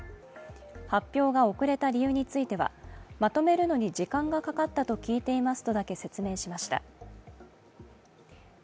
発表が遅れた理由についてはまとめるのに時間がかかったと聞いていますとだけ説明しました。